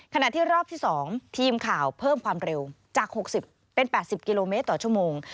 ขณะที่รอบที่๒ทีมข่าวเพิ่มความเร็วจาก๖๐เป็น๘๐กิโลเมตรต่อชั่วโมง